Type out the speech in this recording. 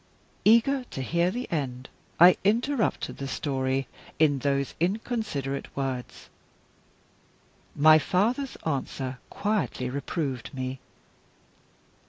Eager to hear the end, I interrupted the story in those inconsiderate words. My father's answer quietly reproved me.